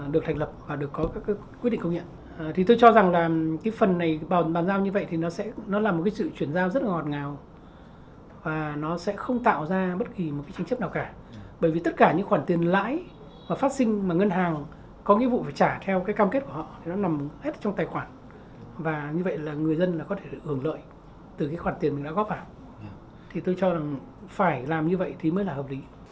được thành lập và được có các quyết định công nhận thì tôi cho rằng là cái phần này bàn giao như vậy thì nó sẽ nó là một cái sự chuyển giao rất là ngọt ngào và nó sẽ không tạo ra bất kỳ một cái tranh chấp nào cả bởi vì tất cả những khoản tiền lãi và phát sinh mà ngân hàng có nghĩa vụ phải trả theo cái cam kết của họ nó nằm hết trong tài khoản và như vậy là người dân là có thể được ưởng lợi từ cái khoản tiền mình đã góp vào thì tôi cho rằng phải làm như vậy thì mới là hợp lý